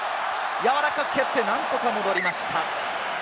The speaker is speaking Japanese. やわらかく蹴って、なんとか戻りました。